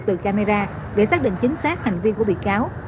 từ camera để xác định chính xác hành vi của bị cáo